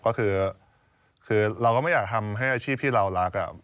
ก็คือเราก็ไม่อยากทำให้อาชีพที่เรารัก